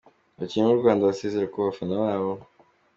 abakinnyi b'u Rwanda basezera ku bafana babo.